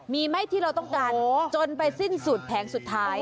มีไหมที่เราต้องการจนไปสิ้นสุดแผงสุดท้าย